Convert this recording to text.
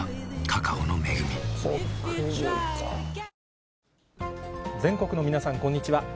来週の後半、全国の皆さん、こんにちは。